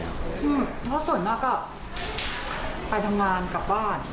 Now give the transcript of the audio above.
อืมแล้วส่วนหน้าก็ไปทำงานกลับบ้าน